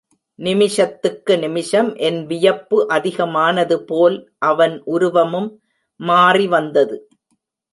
நிமிஷத்துக்கு நிமிஷம் என் வியப்பு அதிகமானது போல் அவன் உருவமும் மாறி வந்தது.